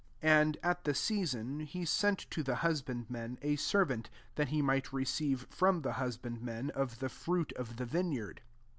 2 And, at the season, he sent to the husband men a servant, that he might receive from the husbandmen of the fruit of the vineyard.